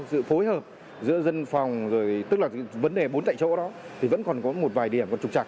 sự phối hợp giữa dân phòng rồi tức là vấn đề bốn tại chỗ đó thì vẫn còn có một vài điểm còn trục trặ